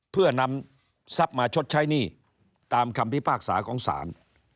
เพื่อนำทรัพย์มาชดใช้นี่ตามคำที่ภาคศาคงสาร